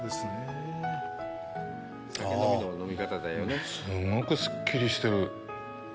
あぁ、すんごくすっきりしてる！